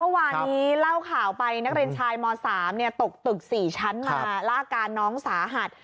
เมื่อวานนี้เล่าข่าวไปนักเรียนชายม๓ตกตึก๔ชั้นมาแล้วอาการน้องสาหัส